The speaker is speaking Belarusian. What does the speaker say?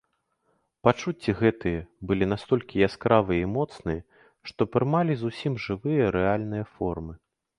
Пачуцці гэтыя былі настолькі яскравыя і моцныя, што прымалі зусім жывыя рэальныя формы.